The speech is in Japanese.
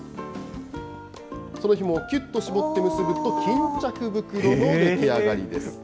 そのひもをきゅっと絞って結ぶと、巾着袋の出来上がり。